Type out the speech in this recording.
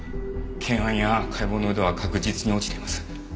検案や解剖の腕は確実に落ちています。